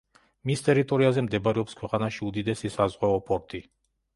მის ტერიტორიაზე მდებარეობს ქვეყანაში უდიდესი საზღვაო პორტი.